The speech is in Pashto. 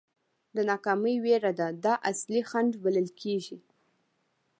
د ناکامۍ وېره ده دا اصلي خنډ بلل کېږي.